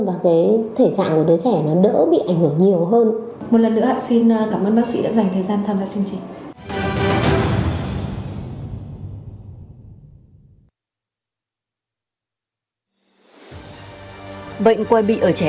và cái thể trạng của đứa trẻ nó đỡ bị